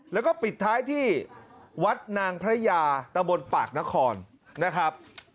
แล้วก็ปิดท้ายที่วัดนางพระยาตะบนปากนครนะครับ